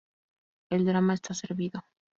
El drama está servido.